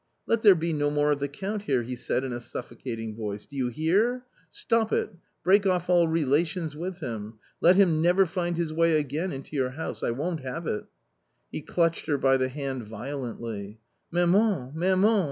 ! Let there be no more of the Count here," he said in a suffocating voice ;" do you hear ? stop it, break off all relations with him, let him never And his way again into your house I won't have it." He clutched her by the hand violently. "Maman, maman!